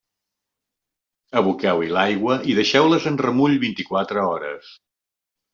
Aboqueu-hi l'aigua i deixeu-les en remull vint-i-quatre hores.